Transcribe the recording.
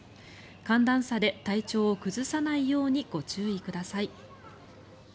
寒暖差で体調を崩さないようにご注意ください。